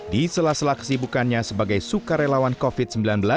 di sela sela kesibukannya sebagai sukarelawan covid sembilan belas